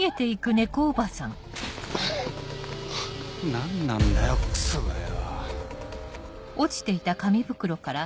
何なんだよクソがよ。